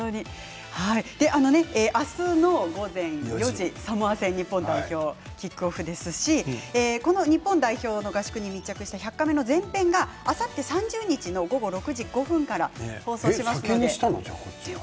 明日の午前４時サモア戦日本代表キックオフですしこの日本代表の合宿に密着した「１００カメ」の全編はあさって３０日放送します。